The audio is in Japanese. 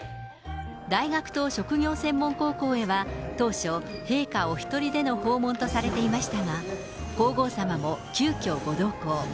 大学と職業専門高校へは、当初、陛下お一人での訪問とされていましたが、皇后さまも急きょご同行。